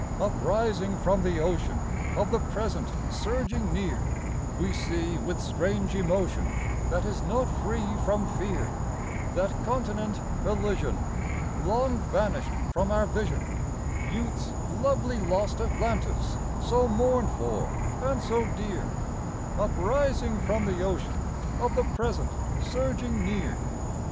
Uprising from the ocean of the present surging near, We see, with strange emotion, that is not free from fear, That continent Elysian Long vanished from our vision, Youth's lovely lost Atlantis, so mourned for and so dear, Uprising from the ocean of the present surging near.